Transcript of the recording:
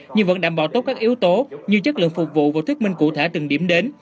nhưng vẫn đảm bảo tốt các yếu tố như chất lượng phục vụ và thuyết minh cụ thể từng điểm đến